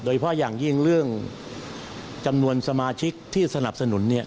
เพราะอย่างยิ่งเรื่องจำนวนสมาชิกที่สนับสนุนเนี่ย